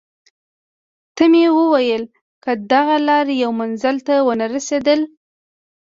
ته مې وویل: که دغه لار یو منزل ته ونه رسېدل.